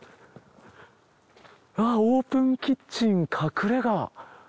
あぁオープンキッチン隠れ家。